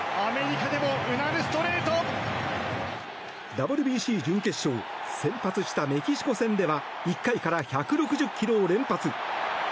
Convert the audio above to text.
ＷＢＣ準決勝先発したメキシコ戦では１回から１６０ｋｍを連発。